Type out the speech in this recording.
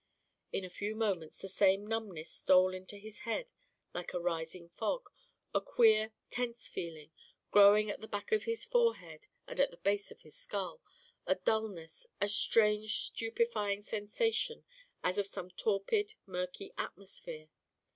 In a few moments the same numbness stole into his head like a rising fog, a queer, tense feeling, growing at the back of his forehead and at the base of his skull, a dulness, a strange stupefying sensation as of some torpid, murky atmosphere.